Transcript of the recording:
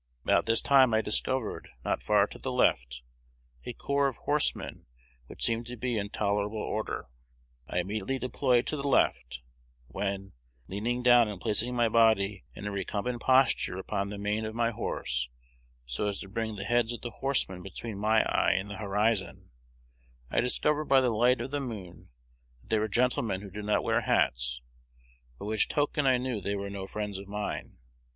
About this time I discovered not far to the left, a corps of horsemen which seemed to be in tolerable order. I immediately deployed to the left, when, leaning down and placing my body in a recumbent posture upon the mane of my horse, so as to bring the heads of the horsemen between my eye and the horizon, I discovered by the light of the moon that they were gentlemen who did not wear hats, by which token I knew they were no friends of mine.